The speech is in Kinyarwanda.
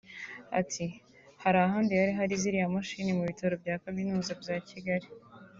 Ati”Hari ahandi hari hari ziriya mashini mu Bitaro bya Kaminuza bya Kigali